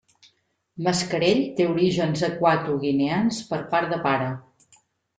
Mascarell té orígens equatoguineans per part de pare.